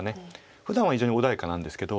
ふだんは非常に穏やかなんですけど。